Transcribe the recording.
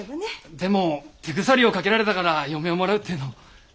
でも手鎖を掛けられたから嫁をもらうというのもね。